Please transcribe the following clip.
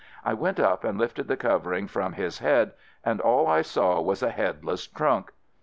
I went up and lifted the covering from his head and all I saw was a headless trunk!